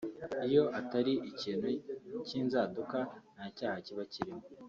iyo atari ikintu cy’inzaduka nta cyaha kiba kirimo